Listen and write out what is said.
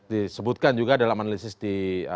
disebutkan juga dalam analisis di